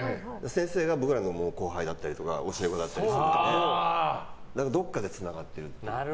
先生が僕らの後輩だったり教え子だったりするのでどこかでつながってる。